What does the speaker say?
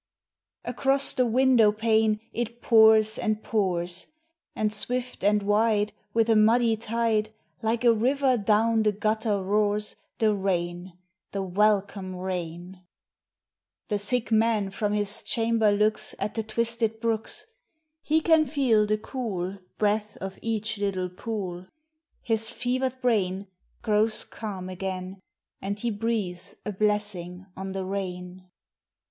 Across the window pane It pours and pours; Aud swift and wide, With a muddy tide, Like a river down the gutter roars The rain, the welcome rain ! The sick man from his chamber looks At the twisted brooks; He can feel the cool Breath of each little pool ; THE SEASONS. 115 His fevered brain Grows calm again, And he breathes a blessing on the rain.